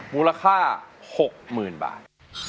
บุรกษา๖๐๐๐๐บาท